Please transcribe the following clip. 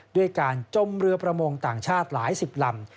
ด้วยการจมเรือประมงต่างชาติหลายสิบลำ